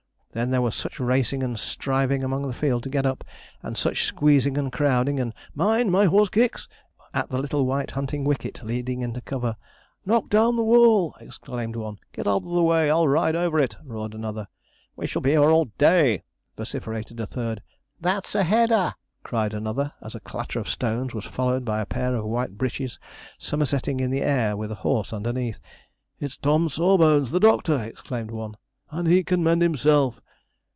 Then there was such racing and striving among the field to get up, and such squeezing and crowding, and 'Mind, my horse kicks!' at the little white hunting wicket leading into cover. 'Knock down the wall!' exclaimed one. 'Get out of the way; I'll ride over it!' roared another. 'We shall be here all day!' vociferated a third. 'That's a header!' cried another, as a clatter of stones was followed by a pair of white breeches summerseting in the air with a horse underneath. 'It's Tom Sawbones, the doctor!' exclaimed one, 'and he can mend himself.'